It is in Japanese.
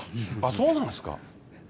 そうなんですか。